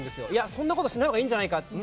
そんなことしないほうがいいんじゃないかって。